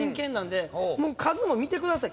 数も見てください。